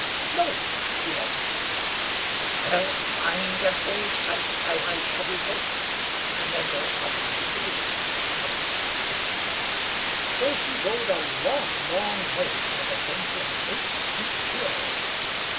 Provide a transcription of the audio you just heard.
"No," she wasn't. "Well! mind and hold tight by my shaggy coat, and then there's nothing to fear," said the Bear. So she rode a long, long way, till they came to a great steep hill.